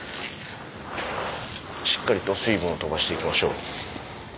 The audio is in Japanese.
しっかりと水分をとばしていきましょう。